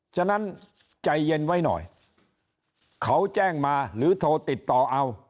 ฉะนั้นใจเย็นไว้หน่อยเขาแจ้งมาหรือโทรติดต่อเอา